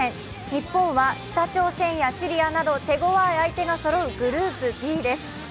日本は北朝鮮やシリアなど手強い相手のそろうグループＢです。